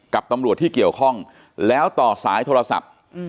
กับตำรวจที่เกี่ยวข้องแล้วต่อสายโทรศัพท์